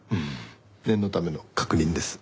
念のための確認です。